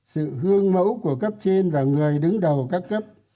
sự hương mẫu của cấp trên và người đứng đầu các cấp